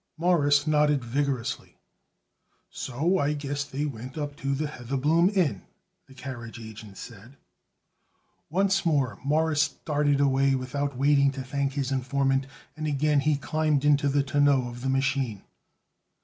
Morris nodded vigorously. "So I guess they went up to the Heatherbloom Inn," the carriage agent said. Once more Morris darted away without waiting to thank his informant, and again he climbed into the tonneau of the machine.